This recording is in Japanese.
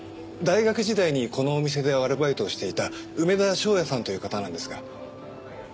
大学時代にこのお店でアルバイトをしていた梅田翔也さんという方なんですが。